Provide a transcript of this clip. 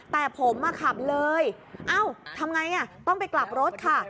แต่ผมมาขับเลยเอ้าทำไงต้องไปกลับรถค่ะ